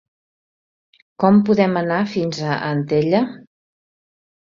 Com podem anar fins a Antella?